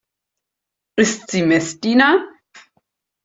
Ist sie Messdiener?